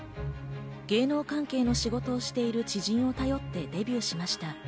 芸能関係の仕事をしている知人を頼ってデビューしました。